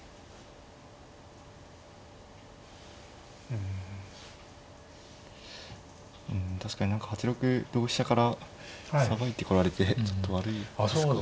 うん確かに何か８六同飛車からさばいてこられてちょっと悪いですか。